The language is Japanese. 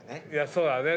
そうだね